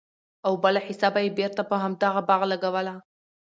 او بله حيصه به ئي بيرته په همدغه باغ لګوله!!